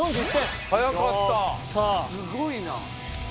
すごいな。